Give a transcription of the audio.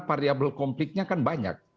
variable konfliknya kan banyak